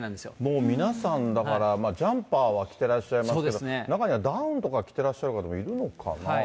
もう皆さん、だからジャンパーは着てらっしゃいますけど、中にはダウンとか着てらっしゃる方もいるのかな？